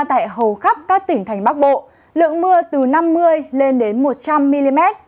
tại hầu khắp các tỉnh thành bắc bộ lượng mưa từ năm mươi lên đến một trăm linh mm